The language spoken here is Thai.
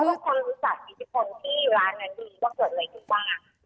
เพราะว่าคนวิจัยมีคนที่ร้านเงินดีว่าเกิดอะไรอยู่บ้าง